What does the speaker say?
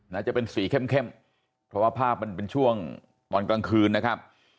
น่าจะเป็นสีเข้มเพราะว่าภาพมันเป็นช่วงตอนกลางคืนนะครับ